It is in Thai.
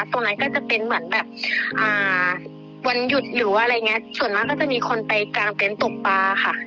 ตรงนั้นก็จะเป็นเหมือนแบบอ่าวันหยุดหรืออะไรอย่างเงี้ส่วนมากก็จะมีคนไปกางเต็นต์ตกปลาค่ะ